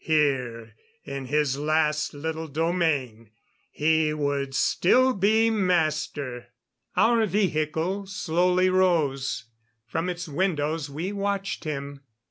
Here, in his last little domain, he would still be master. Our vehicle slowly rose. From its windows we watched him.